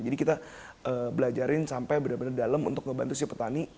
jadi kita belajarin sampai benar benar dalam untuk ngebantu si petani